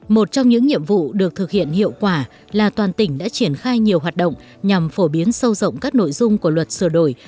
một trong những nhiệm vụ được thực hiện hiệu quả là toàn tỉnh đã triển khai nhiều hoạt động nhằm phổ biến sâu rộng các nội dung của luật sửa đổi